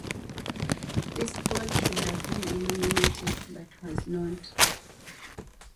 This board should have been illuminated, but was not.